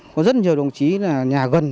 có rất nhiều đồng chí là nhà gần